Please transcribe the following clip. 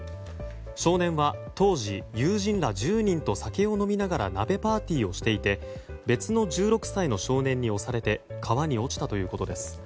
少年は当時友人ら１０人と酒を飲みながら鍋パーティーをしていて別の１６歳の少年に押されて川に落ちたということです。